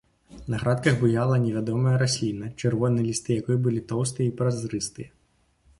На градках буяла невядомая расліна, чырвоныя лісты якой былі тоўстыя і празрыстыя.